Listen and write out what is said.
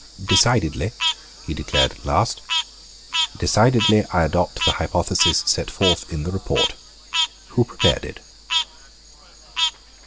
"Decidedly," he declared at last, "decidedly, I adopt the hypothesis set forth in the report. Who prepared it?"